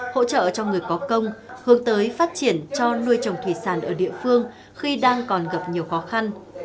hỗ trợ cho người có công hướng tới phát triển cho nuôi trồng thủy sản ở địa phương khi đang còn gặp nhiều khó khăn